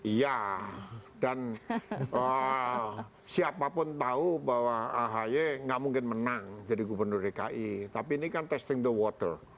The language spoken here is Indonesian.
iya dan siapapun tahu bahwa ahy nggak mungkin menang jadi gubernur dki tapi ini kan testing the water